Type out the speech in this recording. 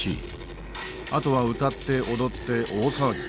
あとは歌って踊って大騒ぎ。